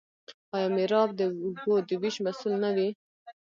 آیا میرآب د اوبو د ویش مسوول نه وي؟